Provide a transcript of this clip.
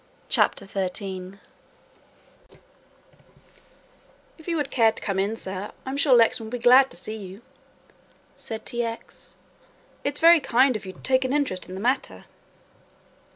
CHAPTER XIII "IF you would care to come in, sir, I'm sure Lexman would be glad to see you," said T. X.; "it's very kind of you to take an interest in the matter."